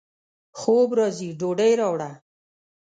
خوب راځي ، ډوډۍ راوړه